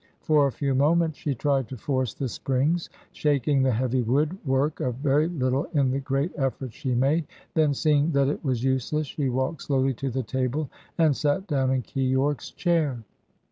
For a few moments she tried to force the springs, shaking the heavy wood work a very little in the great effort she made. Then, seeing that it was useless, she walked slowly to the table and sat down in Keyork's chair.